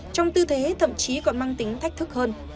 trong tư thế thậm chí còn mang tính thách thức hơn